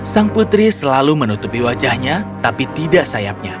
sang putri selalu menutupi wajahnya tapi tidak sayapnya